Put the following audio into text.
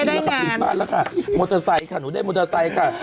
แม็กซ์ไม่ครับไม่เอา